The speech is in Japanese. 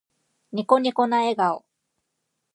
ニコニコな笑顔。